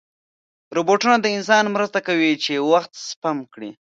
روبوټونه د انسانانو مرسته کوي چې وخت سپم کړي.